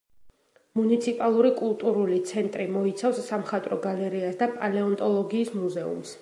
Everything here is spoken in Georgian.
მუნიციპალური კულტურული ცენტრი მოიცავს სამხატვრო გალერეას და პალეონტოლოგიის მუზეუმს.